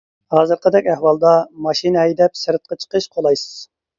ھازىرقىدەك ئەھۋالدا ماشىنا ھەيدەپ سىرتقا چىقىش قولايسىز.